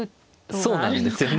そうなんですよね。